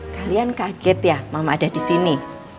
kalian kaget ya mama ada disini